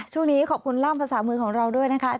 ช่วงนี้ขอบคุณล่ามภาษามือของเราด้วยนะคะ